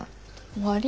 終わり？